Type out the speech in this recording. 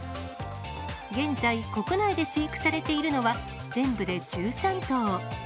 現在、国内で飼育されているのは、全部で１３頭。